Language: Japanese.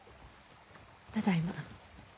ただいま。